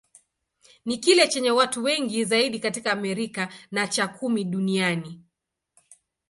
Ni kile chenye watu wengi zaidi katika Amerika, na cha kumi duniani.